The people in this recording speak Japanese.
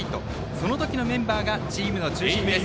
その時のメンバーがチームの中心です。